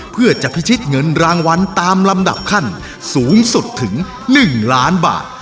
เพื่อจะพิชิตเงินรางวัลตามลำดับขั้นสูงสุดถึง๑ล้านบาท